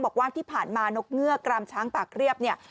บอกว่าที่ผ่านมานกเงือกกรามช้างปากเรียบเนี่ย